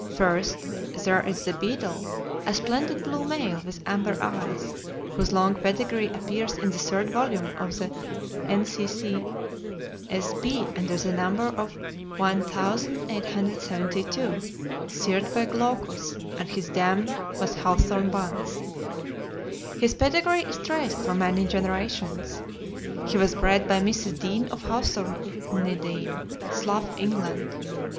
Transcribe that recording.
First, there is The Beadle, a splendid blue male with amber eyes, whose long pedigree appears in the third volume of the N.C.C.S.B. under the number 1872, sired by Glaucus, and his dam was Hawthorne Bounce. His pedigree is traced for many generations. He was bred by Mrs. Dean of Hawthornedene, Slough, England.